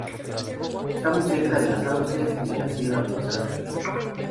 Está muy cerca del Asturias y de la Sierra de los Ancares.